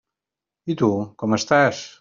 I tu, com estàs?